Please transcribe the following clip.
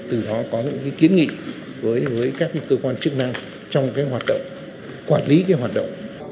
từ đó có những cái kiến nghị với các cái cơ quan chức năng trong cái hoạt động quản lý cái hoạt động